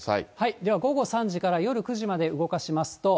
では午後３時から夜９時まで動かしますと。